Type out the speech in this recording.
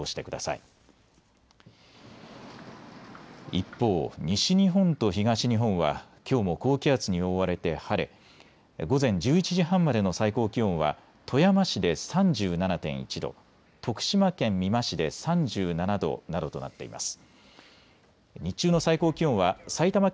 一方、西日本と東日本はきょうも高気圧に覆われて晴れ、午前１１時半までの最高気温は富山市で３７．１度、徳島県美馬市で３７度などとなっています。